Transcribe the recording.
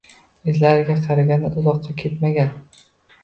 Izlariga qaranda uzoqqa ketmagan